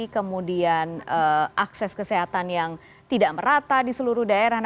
kemudian akses kesehatan yang tidak merata di seluruh daerah